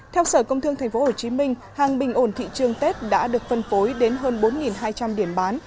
theo sở công thương tp hcm hàng bình ổn thị trường tết đã được phân phối đến hơn bốn hai trăm linh điểm bán